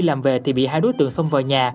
làm về thì bị hai đối tượng xông vào nhà